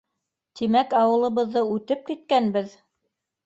Тимәк, ауылыбыҙҙы үтеп киткәнбеҙ?!